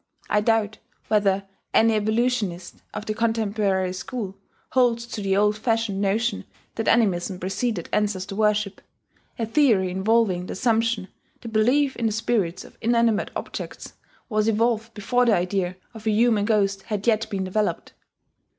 (I doubt whether any evolutionist of the contemporary school holds to the old fashioned notion that animism preceded ancestor worship, a theory involving the assumption that belief in the spirits of inanimate objects was evolved before the idea of a human ghost had yet been developed.)